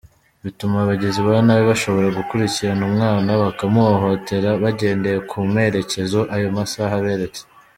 Bituma abagizi ba nabi bashobora gukurikirana umwana bakamuhohotera bagendeye ku merekezo ayo masaha aberetse.